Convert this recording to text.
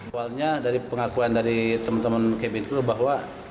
kualnya dari pengakuan dari teman teman cabin crew bahwa